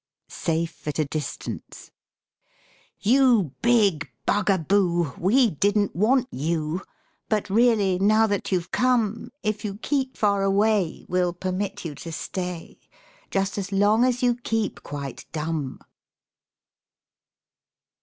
SAFE AT A DISTANCE You big Bugaboo! We didn't want you, But really now that you've come, If you keep far away We'll permit you to stay, Just as long you keep quite dumb.